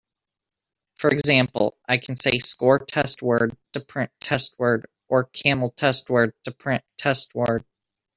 For example, I can say "score test word" to print "test word", or "camel test word" to print "testWord".